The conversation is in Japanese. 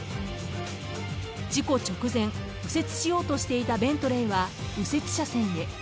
［事故直前右折しようとしていたベントレーは右折車線へ］